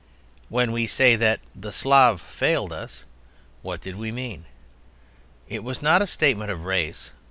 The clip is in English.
When we said that "the Slav" failed us, what did we mean? It was not a statement of race.